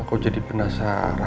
aku jadi penasaran